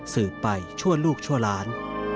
สืบไปชั่วลูกชั่วล้าน